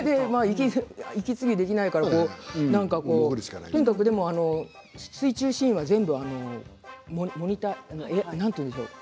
息継ぎできないからとにかく水中シーンは全部モニター何て言うんでしょう